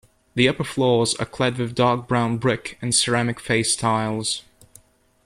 The upper floors are clad with dark brown brick and ceramic face tiles.